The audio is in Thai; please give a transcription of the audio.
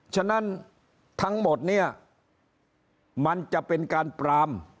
ฉะนั้นทั้งหมดเนี่ยมันจะเป็นการปราม